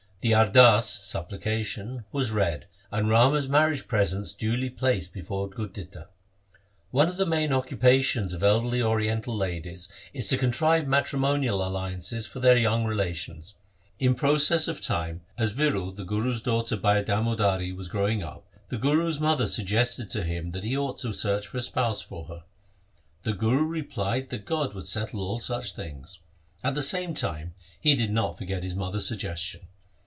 The ardas (supplication) was read, and Rama's mar riage presents duly placed before Gurditta. One of the main occupations of elderly Oriental ladies is to contrive matrimonial alliances for their young relations. In process of time, as Viro the Guru's daughter by Damodari was growing up, the Guru's mother suggested to him that he ought to search for a spouse for her. The Guru replied that God would settle all such things. At the same time he did not forget his mother's suggestion.